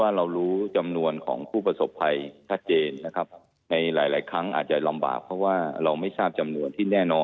เรารู้จำนวนของผู้ประสบภัยชัดเจนนะครับในหลายครั้งอาจจะลำบากเพราะว่าเราไม่ทราบจำนวนที่แน่นอน